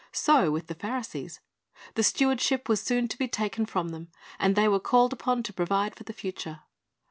So with the Pharisees. The steward ship was soon to be taken from them, and they were called upon to provide for the future.